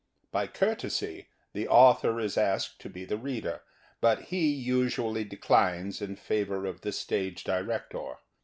By courtesy the author is asked to be the reader, but he usually declines in favor of the stage director.